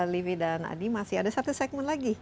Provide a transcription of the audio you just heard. livi dan adi masih ada satu segmen lagi